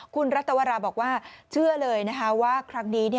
คุณรัตวราบอกว่าเชื่อเลยนะคะว่าครั้งนี้